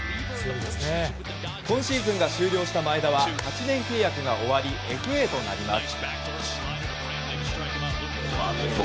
今シーズンが終了した前田は８年契約が終わりＦＡとなります。